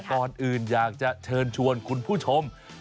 ก่อนอื่นอยากจะเชิญชวนคุณผู้ชม